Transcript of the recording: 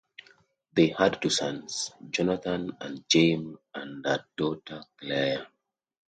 They had two sons, Jonathan and Jaime and a daughter, Claire.